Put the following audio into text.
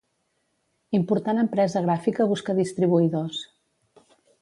Important empresa gràfica busca distribuïdors.